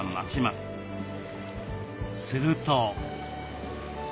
すると。